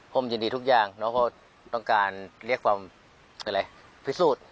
ผมยินดีทุกอย่างเนอะเพราะต้องการเรียกความพิสูจน์